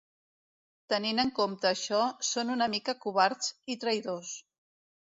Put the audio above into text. Tenint en compte això, són una mica covards i traïdors.